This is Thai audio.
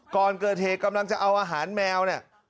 ก่อนเกิดเหตุกำลังจะเอาอาหารแมวเนี่ย